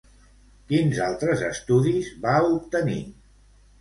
Quins altres estudis va obtenir?